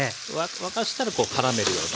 沸かしたらこうからめるように。